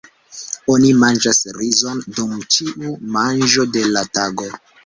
Oni manĝas rizon dum ĉiu manĝo de la tago.